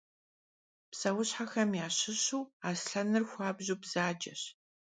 Pseuşhexem yaşışu aslhenır xuabju bzaceş.